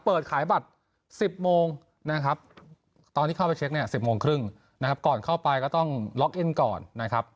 เปิดขายบัตร๑๐โมงนะครับตอนที่เข้าไปเช็คเนี่ย๑๐โมงครึ่งนะครับก่อนเข้าไปก็ต้องล็อกเอ็นก่อนนะครับ